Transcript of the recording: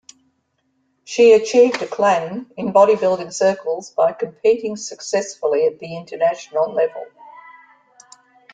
She achieved acclaim in bodybuilding circles by competing successfully at the international level.